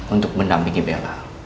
untuk menampingi bella